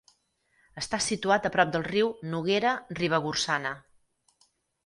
Està situat a prop del riu Noguera Ribagorçana.